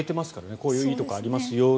こういういいところありますよって。